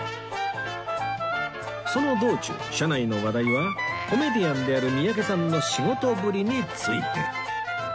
その道中車内の話題はコメディアンである三宅さんの仕事ぶりについて